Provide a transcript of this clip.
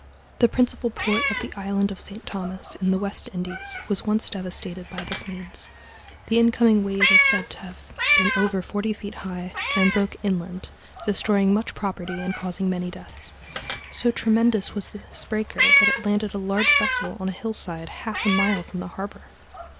The principal port of the island of St. Thomas, in the West Indies, was once devastated by this means. The incoming wave is said to have been over forty feet high, and broke inland, destroying much property and causing many deaths. "So tremendous was this breaker that it landed a large vessel on a hillside half a mile from the harbor."